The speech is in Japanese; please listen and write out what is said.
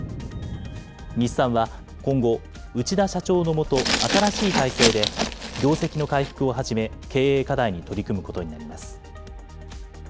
日産は今後、内田社長の下、新しい体制で業績の回復をはじめ、経営課題に取り組むことになります。